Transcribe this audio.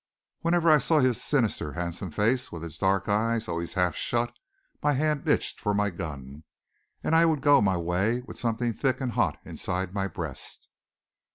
Whenever I saw his sinister, handsome face, with its dark eyes always half shut, my hand itched for my gun, and I would go my way with something thick and hot inside my breast.